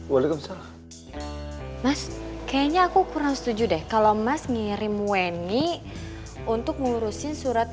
waalaikumsalam mas kayaknya aku kurang setuju deh kalau mas ngirim wni untuk ngurusin surat